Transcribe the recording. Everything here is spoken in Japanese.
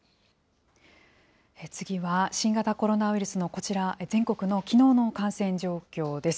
次は、新型コロナウイルスのこちら、全国のきのうの感染状況です。